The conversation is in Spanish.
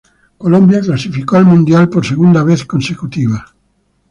Colombia clasificó al Mundial por segunda vez consecutiva.